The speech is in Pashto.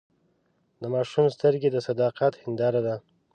د ماشوم سترګې د صداقت هنداره ده.